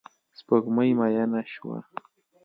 سپوږمۍ میینه شوه